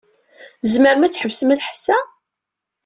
Tzemrem ad tḥebsem lḥess-a?